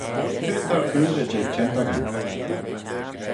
C'red t'ou coontey jeh çhentagyn?